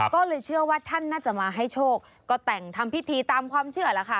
ก็เลยเชื่อว่าท่านน่าจะมาให้โชคก็แต่งทำพิธีตามความเชื่อแล้วค่ะ